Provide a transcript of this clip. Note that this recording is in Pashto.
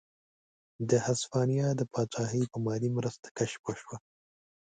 د هسپانیا د پاچاهۍ په مالي مرسته کشف وشوه.